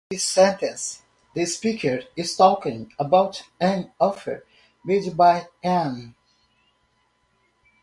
In this sentence, the speaker is talking about an offer made by Ann.